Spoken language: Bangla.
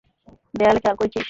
দেয়ালে খেয়াল করেছিস?